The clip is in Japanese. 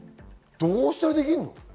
どうしたらできるの？